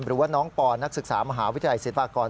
หรือว่าน้องปนักศึกษามหาวิทยาลัยศิลปากร